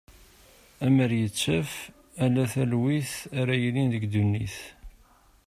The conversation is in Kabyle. Amer ittaf ala talwit ara yilin deg ddunit.